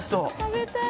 食べたい。